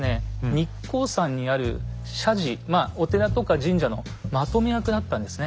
日光山にある社寺まあお寺とか神社のまとめ役だったんですね。